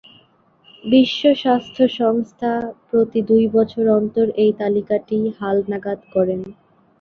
বিশ্ব স্বাস্থ্য সংস্থা প্রতি দুই বছর অন্তর এই তালিকাটি হালনাগাদ করেন।